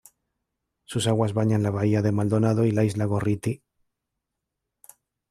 Sus aguas bañan la Bahía de Maldonado y la Isla Gorriti.